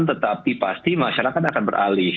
tetapi pasti masyarakat akan beralih